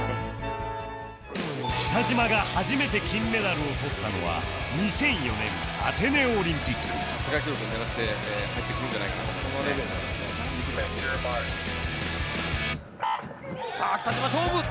北島が初めて金メダルをとったのは２００４年アテネオリンピック「テイクユアマーク」さあ北島勝負！